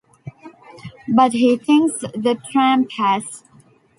But he thinks the tramp has.